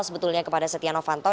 sebetulnya kepada setia novanto